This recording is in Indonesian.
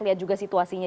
lihat juga situasinya